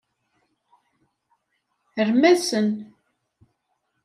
Rrem-asen.